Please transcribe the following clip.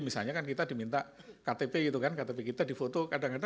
misalnya kan kita diminta ktp gitu kan ktp kita di foto kadang kadang